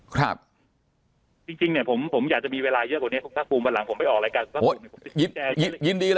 ครับจริงจริงเนี่ยผมผมอยากจะมีเวลาเยอะกว่านี้